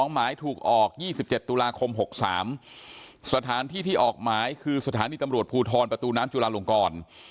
หมายถูกออก๒๗ตุลาคม๖๓สถานที่ที่ออกหมายคือสถานีตำรวจภูทรประตูน้ำจุลาลงกร